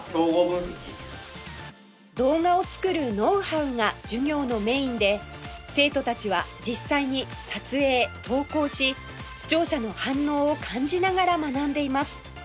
動画を作るノウハウが授業のメインで生徒たちは実際に撮影投稿し視聴者の反応を感じながら学んでいます